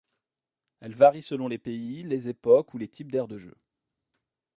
Elles varient selon les pays, les époques ou les types d'aires de jeux.